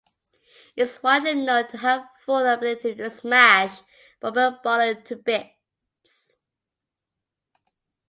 Is widely known to have full ability to smash Robert Barlow to bits.